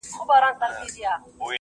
د پوستکي وچوالی مه پرېږده